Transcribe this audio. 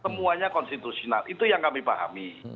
semuanya konstitusional itu yang kami pahami